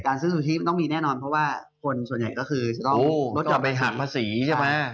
การซื้อสูฌีต้องมีแน่นอนเพราะว่าคนส่วนใหญ่ก็คือก็จะไปหากภาษีใช่มั้ย